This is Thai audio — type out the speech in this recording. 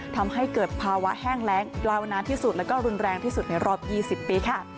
ทำให้เกิดภาวะแห้งแรงยาวนานที่สุดแล้วก็รุนแรงที่สุดในรอบ๒๐ปีค่ะ